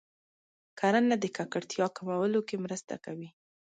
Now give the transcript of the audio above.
کرنه د ککړتیا کمولو کې مرسته کوي.